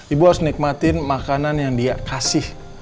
ibu harus nikmatin makanan yang dia kasih